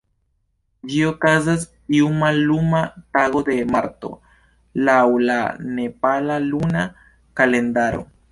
Ĝi okazas iu malluma tago de marto, laŭ la nepala luna kalendaro.